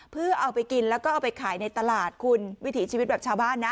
เพื่อเอาไปกินแล้วก็เอาไปขายในตลาดคุณวิถีชีวิตแบบชาวบ้านนะ